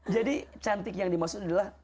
jadi cantik yang dimaksud adalah